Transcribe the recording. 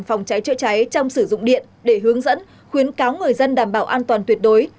phòng cháy chữa cháy trong sử dụng điện để hướng dẫn khuyến cáo người dân đảm bảo an toàn tuyệt đối